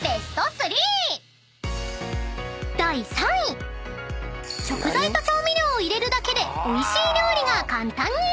［食材と調味料を入れるだけでおいしい料理が簡単に作れる］